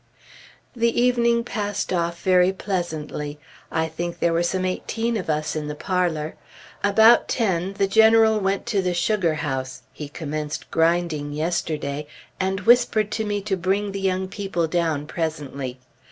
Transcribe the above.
The evening passed off very pleasantly; I think there were some eighteen of us in the parlor. About ten the General went to the sugar house (he commenced grinding yesterday) and whispered to me to bring the young people down presently.